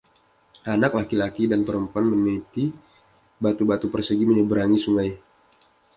Anak laki-laki dan perempuan meniti batu-batu persegi menyeberangi sungai